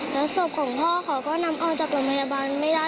แล้วศพของพ่อเขาก็นำออกจากโรงพยาบาลไม่ได้